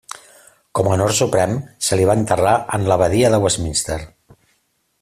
Com a honor suprem, se li va enterrar en l'abadia de Westminster.